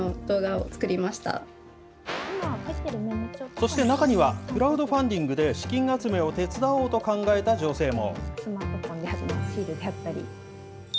そして中には、クラウドファンディングで資金集めを手伝おうと考えた女性も。